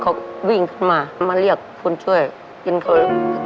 เขาวิ่งขึ้นมามาเรียกคนช่วยกินเขา